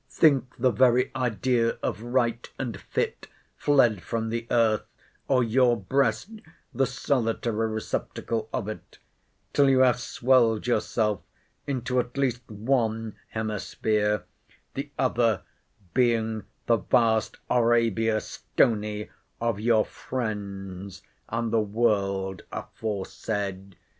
Think the very idea of right and fit fled from the earth, or your breast the solitary receptacle of it, till you have swelled yourself into at least one hemisphere; the other being the vast Arabia Stony of your friends and the world aforesaid.